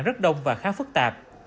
rất đông và khá phức tạp